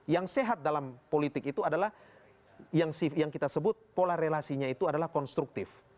yang sehat dalam politik itu adalah yang kita sebut pola relasinya itu adalah konstruktif